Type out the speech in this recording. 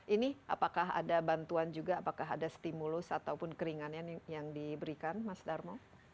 ini apakah ada bantuan juga apakah ada stimulus ataupun keringanan yang diberikan mas darmo